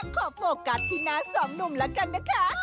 โฟกัสที่หน้าสองหนุ่มแล้วกันนะคะ